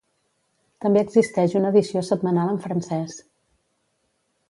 També existeix una edició setmanal en francès.